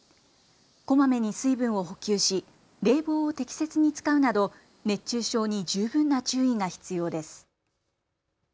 こまめに水分を補給し冷房を適切に使うなど熱中症に十分な注意が必要です。